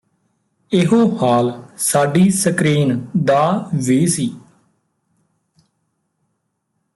ਇਹੋ ਹਾਲ ਸਾਡੀ ਸਕਰੀਨ ਦਾ ਵੀ ਸੀ